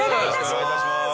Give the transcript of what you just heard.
お願い致します！